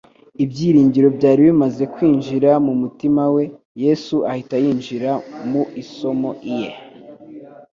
ibyiringiro byari bimaze kwinjira mu mutima we, Yesu ahita yinjira mu isomo iye,